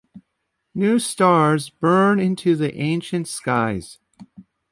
New stars burn into the ancient skies.